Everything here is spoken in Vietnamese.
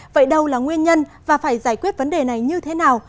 vậy đâu là nguyên nhân và phải giải quyết vấn đề này như thế nào